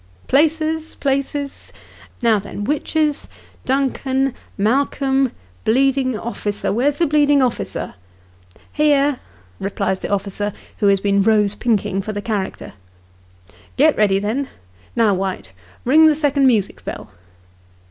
" Places, places. Now then, Witches Duncan Malcolm bleeding officer whore's the bleeding officer ?"" Here !" replies the officer, who has been rose pinking for the character. " Get ready, then ; now, White, ring the second music bell."